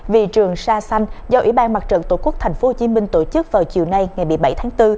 vì trường sa xanh do ủy ban mặt trận tổ quốc tp hcm tổ chức vào chiều nay ngày một mươi bảy tháng bốn